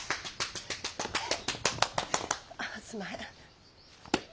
あすんまへん。